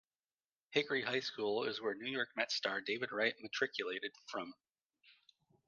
Hickory High School is where New York Mets star David Wright matriculated from.